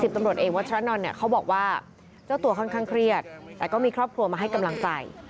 ตำรวจเอกวัชรนเนี่ยเขาบอกว่าเจ้าตัวค่อนข้างเครียดแต่ก็มีครอบครัวมาให้กำลังใจ